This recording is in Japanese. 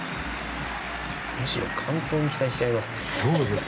むしろ完登に期待しちゃいますね。